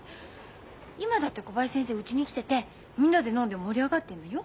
今だって小林先生うちに来ててみんなで飲んで盛り上がってんのよ。